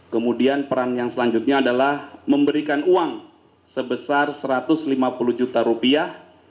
kemudian peran yang selanjutnya adalah memberikan uang sebesar satu ratus lima puluh juta rupiah